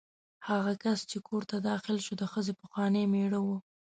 هغه کس چې کور ته داخل شو د ښځې پخوانی مېړه و.